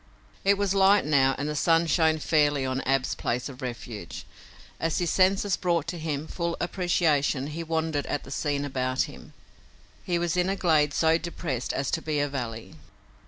It was light now and the sun shone fairly on Ab's place of refuge. As his senses brought to him full appreciation he wondered at the scene about him. He was in a glade so depressed as to be a valley.